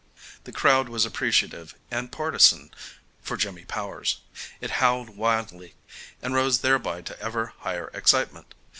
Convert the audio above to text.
The crowd was appreciative and partisan for Jimmy Powers. It howled wildly, and rose thereby to ever higher excitement.